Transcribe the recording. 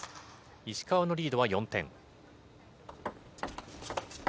石川のリードは４点。